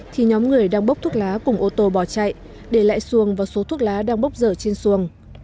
thì nhóm người đang bốc thuốc lá cùng ô tô bỏ chạy để lại xuồng và số thuốc lá đang bốc dở trên xuồng